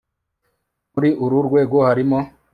muri uru rwego harimo